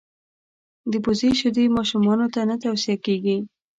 دبزې شیدي ماشومانوته نه تو صیه کیږي.